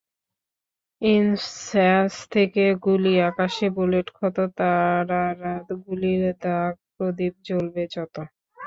ইনস্যাস থেকে গুলি আকাশে বুলেট ক্ষত তারারা গুলির দাগ প্রদীপ জ্বলবে যত।